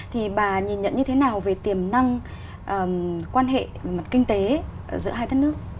thì bà nhìn nhận như thế nào về tiềm năng quan hệ mặt kinh tế giữa hai đất nước